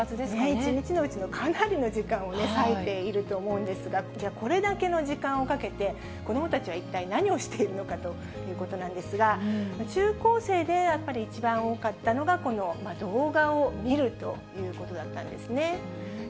一日のうちのかなりの時間を割いていると思うんですが、これだけの時間をかけて、子どもたちは一体何をしているのかということなんですが、中高生で一番多かったのが、この動画を見るということだったんですね。